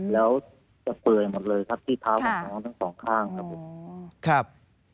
แล้วจะเปลือยหมดเลยครับที่เท้าของน้องทั้ง๒ข้างครับ